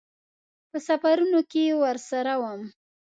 په سفرونو کې ورسره وم.